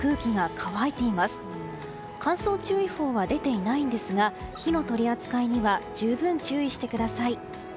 乾燥注意報は出ていないんですが火の取り扱いには十分注意してください。